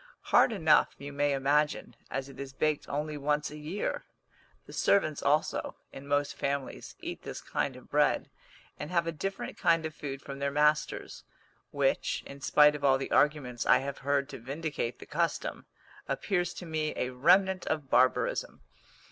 Hard enough, you may imagine, as it is baked only once a year. The servants also, in most families, eat this kind of bread, and have a different kind of food from their masters, which, in spite of all the arguments I have heard to vindicate the custom, appears to me a remnant of barbarism.